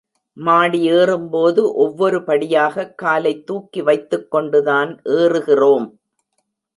மாடி ஏறும்போது ஒவ்வொரு படியாகக் காலைத் தூக்கி வைத்துக் கொண்டுதான் ஏறுகிறோம்.